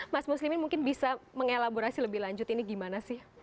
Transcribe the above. mas muslimin mungkin bisa mengelaborasi lebih lanjut ini gimana sih